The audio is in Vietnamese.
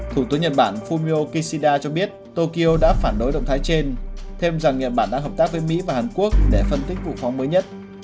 thủ tướng nhật bản fumio kishida cho biết tokyo đã phản đối động thái trên thêm rằng nhật bản đã hợp tác với mỹ và hàn quốc để phân tích vụ phóng mới nhất